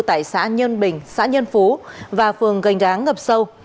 tại xã nhân bình xã nhân phú và phường gành ráng ngập sâu